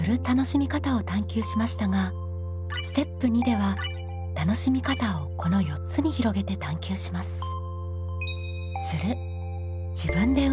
楽しみ方を探究しましたがステップ２では楽しみ方をこの４つに広げて探究します。